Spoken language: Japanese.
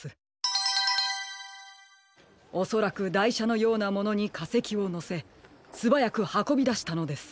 おそらくだいしゃのようなものにかせきをのせすばやくはこびだしたのです。